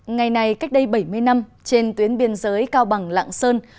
ngày này cách đây bảy mươi năm trên tuyến biên giới cao bằng lạng sơn